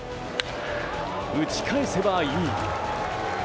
打ち返せばいい。